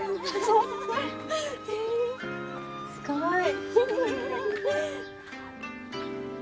すごい。